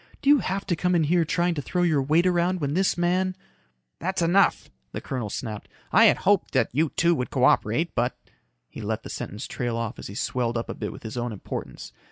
"Do you have to come in here trying to throw your weight around when this man " "That's enough," the colonel snapped. "I had hoped that you two would co operate, but...." He let the sentence trail off as he swelled up a bit with his own importance.